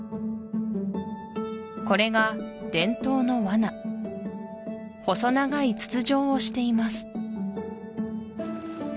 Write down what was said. これが伝統のワナ細長い筒状をしています